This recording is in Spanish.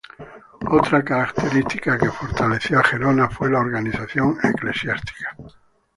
Otra característica que fortaleció a Gerona fue la organización eclesiástica.